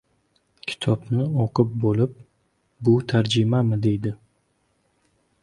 Kitobimni o‘qib bo‘lib, bu tarjimami, deydi.